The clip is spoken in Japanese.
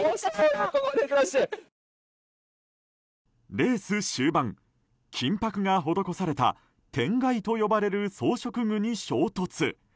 レース終盤、金箔が施された天蓋と呼ばれる装飾具に衝突。